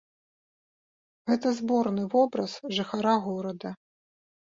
Гэта зборны вобраз жыхара горада.